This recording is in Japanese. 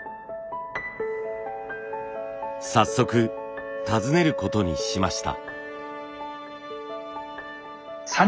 早速訪ねることにしました。